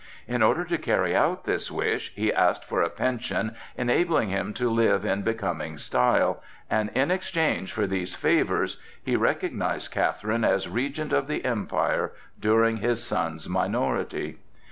In order to carry out this wish, he asked for a pension enabling him to live in becoming style, and in exchange for these favors he recognized Catherine as Regent of the Empire during his son's minority.